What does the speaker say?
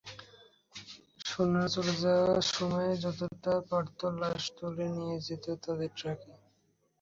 সৈন্যরা চলে যাওয়ার সময় যতটা পারত লাশ তুলে নিয়ে যেত তাদের ট্রাকে।